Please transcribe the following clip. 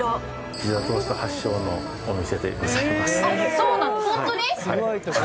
ピザトースト発祥のお店でごそうなんですか。